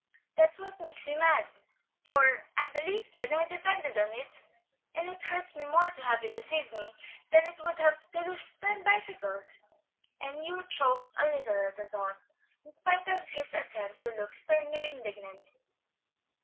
That's what makes me mad; for I believed you and depended on it, and it hurts me more to have you deceive me than it would to lose ten bicycles;" and Hugh choked a little at the thought, in spite of his attempt to look sternly indignant.